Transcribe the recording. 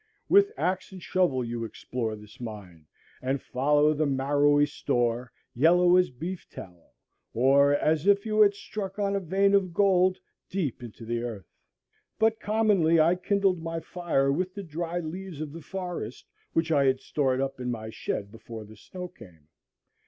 With axe and shovel you explore this mine, and follow the marrowy store, yellow as beef tallow, or as if you had struck on a vein of gold, deep into the earth. But commonly I kindled my fire with the dry leaves of the forest, which I had stored up in my shed before the snow came.